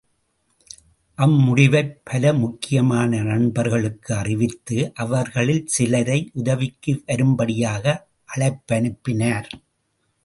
அம்முடிவைப் பலமுக்கியமான நண்பர்களுக்கு அறிவித்து அவர்களில் சிலரை உதவிக்கு வரும்படியாக அழைப்பனுப்பினர்.